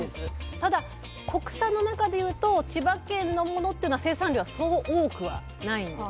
ただ国産の中でいうと千葉県のものっていうのは生産量はそう多くはないんですよね。